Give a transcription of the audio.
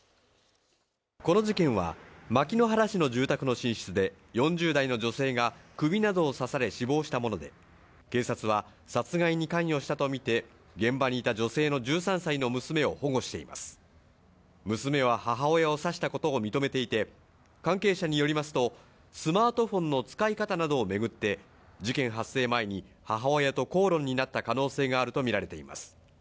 この事件は牧之原市の住宅の寝室で４０代の女性が首などを刺され死亡したもので警察は殺害に関与したと見て現場にいた女性の１３歳の娘を保護しています娘は母親を刺したことを認めていて関係者によりますとスマートフォンの使い方などを巡って事件発生前に母親と口論になった可能性があると見られています